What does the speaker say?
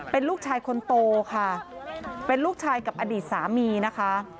เป็นลูกชายคนโตค่ะเป็นลูกชายกับอดีตสามีนะคะ